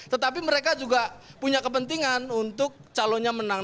tetapi mereka juga punya kepentingan untuk calonnya menang